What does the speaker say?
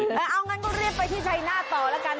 เอางั้นก็รีบไปที่ชัยหน้าต่อแล้วกัน